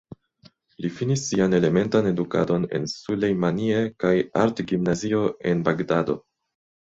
li finis sian elementan edukadon en Sulejmanie kaj art-gimnazio, en Bagdado.